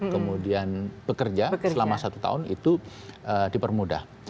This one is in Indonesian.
kemudian bekerja selama satu tahun itu dipermudah